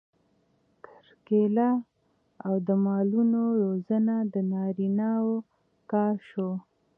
کرکیله او د مالونو روزنه د نارینه وو کار شو.